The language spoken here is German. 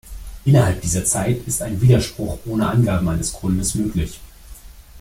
Innerhalb dieser Zeit ist ein Widerspruch ohne Angabe eines Grundes möglich.